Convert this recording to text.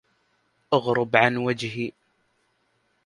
أغرب عن وجهي